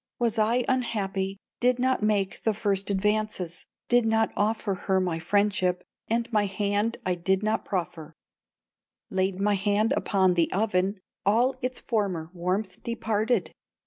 was I unhappy, Did not make the first advances, Did not offer her my friendship, And my hand I did not proffer; Laid my hand upon the oven, All its former warmth departed!